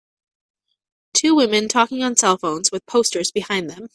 Two women talking on cellphones, with posters behind them.